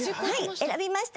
選びました。